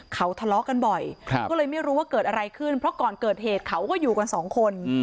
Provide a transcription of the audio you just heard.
เขาทะเลาะกันบ่อยก็เลยไม่รู้ว่าเกิดอะไรขึ้นเพราะก่อนเกิดเหตุเขาก็อยู่กันสองคน